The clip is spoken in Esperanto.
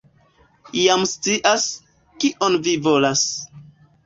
jam scias, kion vi volas!